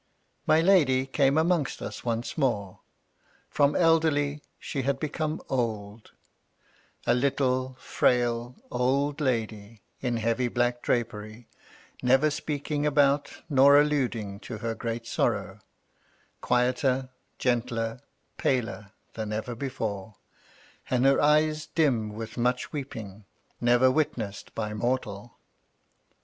My Lady came amongst us once more. From elderly she had become old ; a little, frail, old lady, in heavy black drapery, never speaking about nor alluding to her great sorrow ; quieter, gentler, paler than ever before ; and her eyes dim with much weep ing, never witnessed by mortal.